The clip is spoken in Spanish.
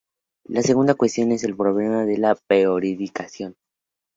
La segunda cuestión es el problema de la periodización.